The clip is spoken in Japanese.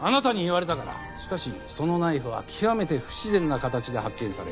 しかしそのナイフは極めて不自然な形で発見され。